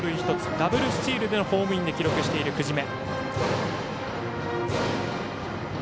ダブルスチールでのホームインで記録している久次米。